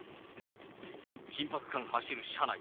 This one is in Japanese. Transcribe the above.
緊迫感走る車内。